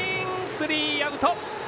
スリーアウト。